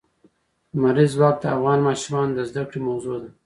لمریز ځواک د افغان ماشومانو د زده کړې موضوع ده.